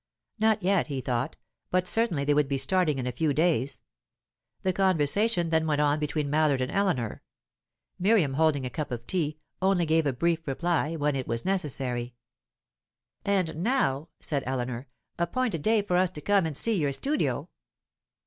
Not yet, he thought, but certainly they would be starting in a few days. The conversation then went on between Mallard and Eleanor; Miriam, holding a cup of tea, only gave a brief reply when it was necessary. "And now," said Eleanor, "appoint a day for us to come and see your studio."